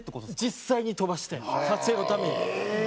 実際に飛ばして撮影のために。